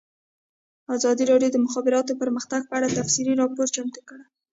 ازادي راډیو د د مخابراتو پرمختګ په اړه تفصیلي راپور چمتو کړی.